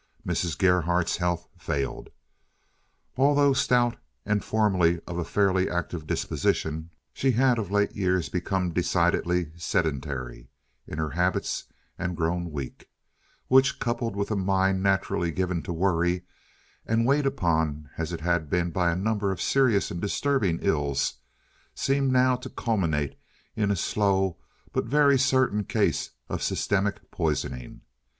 Mrs. Gerhardt's health failed. Although stout and formerly of a fairly active disposition, she had of late years become decidedly sedentary in her habits and grown weak, which, coupled with a mind naturally given to worry, and weighed upon as it had been by a number of serious and disturbing ills, seemed now to culminate in a slow but very certain case of systemic poisoning.